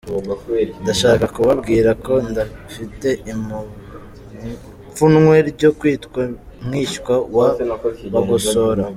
“ndashaka kubabwira ko ndafite ipfunwe ryo kwitwa mwishya wa Bagosora”